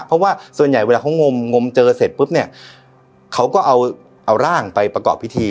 เพราะว่าส่วนใหญ่เวลาเขางมงมเจอเสร็จปุ๊บเนี่ยเขาก็เอาร่างไปประกอบพิธี